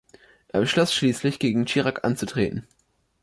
Er beschloss schließlich, gegen Chirac anzutreten.